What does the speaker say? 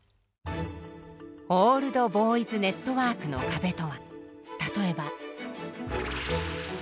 オールド・ボーイズ・ネットワークの壁とは。